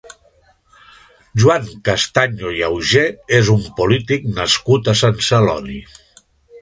Joan Castaño i Augé és un polític nascut a Sant Celoni.